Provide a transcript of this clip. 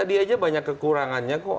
tadi aja banyak kekurangannya kok